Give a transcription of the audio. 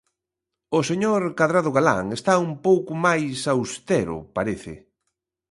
O señor Cadrado Galán está un pouco máis austero, parece.